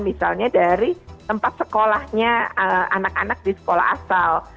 misalnya dari tempat sekolahnya anak anak di sekolah asal